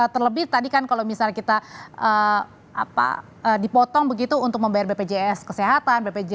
terlebih tadi kan kalau misalnya kita dipotong begitu untuk membayar bpjs kesehatan bpjs